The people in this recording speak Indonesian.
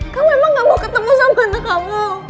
kamu memang gak mau ketemu sama anak kamu